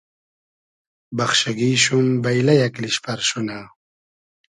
بئخشیگی شوم بݷلۂ یئگ لیشپئر شونۂ